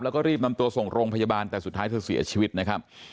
แล้วก็รีบนำตัวส่งโรงพยาบาลแต่สุดท้ายเธอเสียชีวิตนะครับ